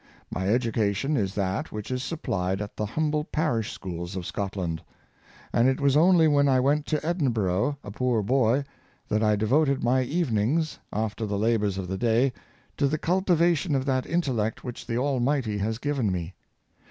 My education is that which is supplied at the humble parish schools of Scot land ; and it was only when I went to Edinburgh, a poor boy, that I devoted my evenings, after the labors of the 318 William CobbetL day, to the cultivation of that intellect which the Al mighty has given me.